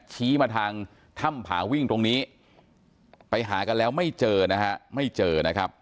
ชี้มาทางถ้ำผาวิ่งตรงนี้ไปหากันแล้วไม่เจอนะฮะไม่เจอนะครับ